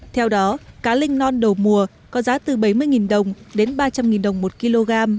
theo đó cá linh non đầu mùa có giá từ bảy mươi đồng đến ba trăm linh đồng một kg